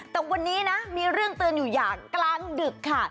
แต่วันนี้นะมีเรื่องเตือนอยู่อย่างกลางดึกค่ะ